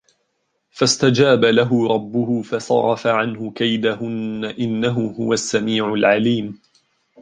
فاستجاب له ربه فصرف عنه كيدهن إنه هو السميع العليم